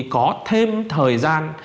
có thêm thời gian